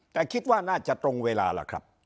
แต่คิดว่าน่าจะตรงเวลาล่ะครับ